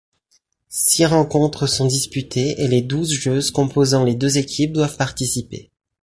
Six rencontres sont disputées et les douze joueuses composant les deux équipes doivent participer.